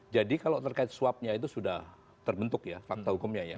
jadi kalau terkait suapnya itu sudah terbentuk ya fakta hukumnya ya